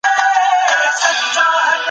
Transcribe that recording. ملي عاید باید د هیواد په ابادۍ ولګول سي.